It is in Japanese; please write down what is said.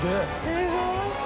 すごい！